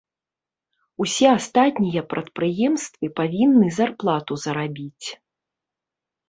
Усе астатнія прадпрыемствы павінны зарплату зарабіць.